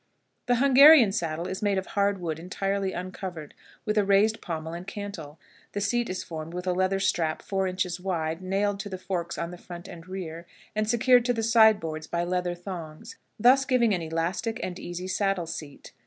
The Hungarian saddle is made of hard wood entirely uncovered, with a raised pommel and cantle. The seat is formed with a leather strap four inches wide nailed to the forks on the front and rear, and secured to the side boards by leather thongs, thus giving an elastic and easy saddle seat.